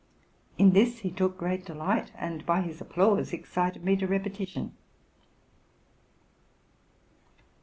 In this he took great delight, and by his applause excited me to repetition.